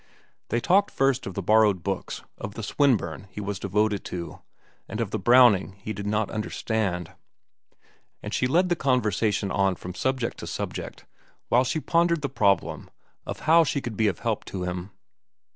They talked first of the borrowed books, of the Swinburne he was devoted to, and of the Browning he did not understand; and she led the conversation on from subject to subject, while she pondered the problem of how she could be of help to him.